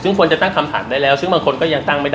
ซึ่งควรจะตั้งคำถามได้แล้วซึ่งบางคนก็ยังตั้งไม่ได้